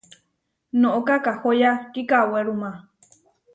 Noʼó kakahóya kikawéruma.